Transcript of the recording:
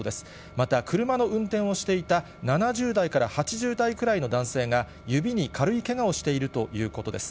また車の運転をしていた７０代から８０代くらいの男性が、指に軽いけがをしているということです。